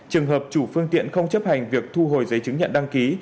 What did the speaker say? trường hợp chủ phương tiện không chấp hành việc thu hồi giấy chứng nhận đăng ký